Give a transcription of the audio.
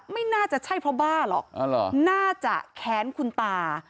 ไม่น่าจะใช่เพราะบ้าหรอกน่าจะแค้นคุณตา